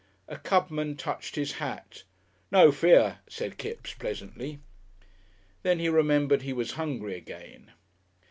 A cabman touched his hat. "No fear," said Kipps, pleasantly. Then he remembered he was hungry again.